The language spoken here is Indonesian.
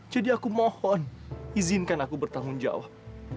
jadi aku mohon izinkan aku bertanggung jawab